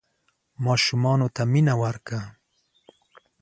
ماشومانو ته مینه ورکړه.